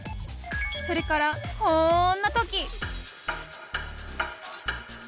それからこんな時！